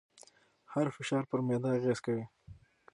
هر فشار پر معده اغېز کوي.